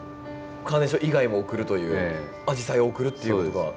カーネーション以外も贈るというアジサイを贈るっていう事が。